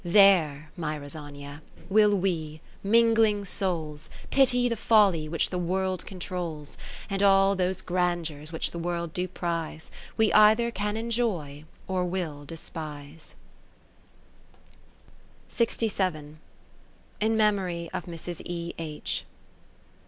There (my Rosania) will we, mingling souls, Pity the folly which the World controls ; And all those grandeurs which the World do prize 49 We either can enjoy, or will despise. In Memory of Mrs. E. H.